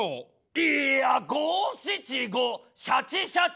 いや五・七・五・シャチ・シャチ。